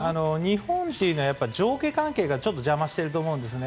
日本というのは上下関係が邪魔していると思うんですね。